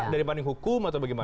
dari banding hukum atau bagaimana